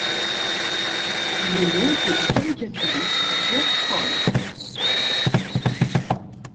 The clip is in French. Il est l'oncle du caricaturiste Pierre Kroll.